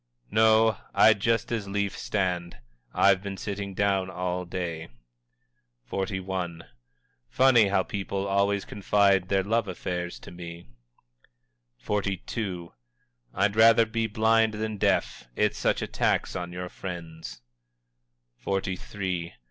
"No, I'd just as lief stand; I've been sitting down all day." XLI. "Funny how people always confide their love affairs to me!" XLII. "I'd rather be blind than deaf it's such a tax on your friends." XLIII.